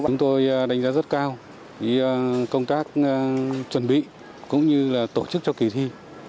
chúng tôi đánh giá rất cao công tác chuẩn bị cũng như là tổ chức cho kỳ thi